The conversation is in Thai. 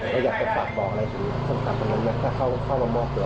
อยากจะฝากบอกอะไรสำคัญของนั้นแหละ